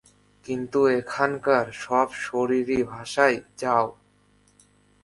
কিন্তু এখানকার সব শরীরী ভাষাই 'যাও'।